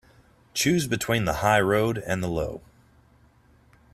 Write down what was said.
Choose between the high road and the low.